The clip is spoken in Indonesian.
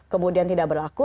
kemudian tidak berlaku